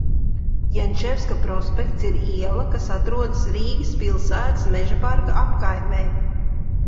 Janševska prospekts ir iela, kas atrodas Rīgas pilsētas Mežaparka apkaimē.